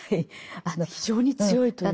非常に強いという。